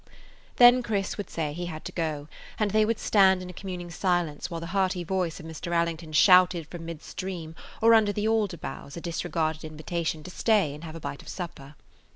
Then Chris would say he had to go, and they would stand in a communing silence while the hearty voice of Mr. Allington shouted from midstream or under the alder boughs a disregarded invitation to stay and have a bite of supper.